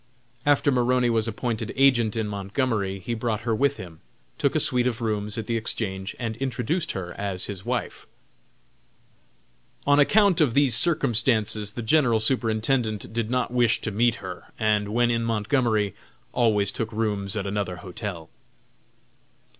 After Maroney was appointed agent in Montgomery he brought her with him, took a suite of rooms at the Exchange, and introduced her as his wife. On account of these circumstances the General Superintendent did not wish to meet her, and, when in Montgomery, always took rooms at another hotel.